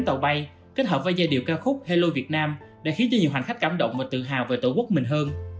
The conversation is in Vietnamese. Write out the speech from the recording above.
đã khiến cho nhiều hành khách cảm động và tự hào về tổ quốc mình hơn